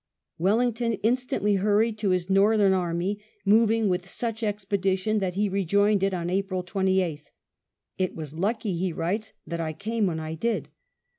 Wellington instantly hurried to his northern | army, moving with such expedition that he rejoined it I on April 28th. "It was lucky," he writes, "that I j came when I did.''